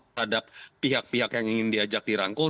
terhadap pihak pihak yang ingin diajak di rangkul